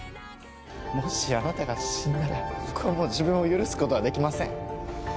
もしあなたが死んだら僕はもう自分を許すことはできません。